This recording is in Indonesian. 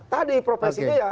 tadi profesinya ya